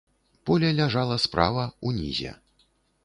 Поле ляжала справа, унізе.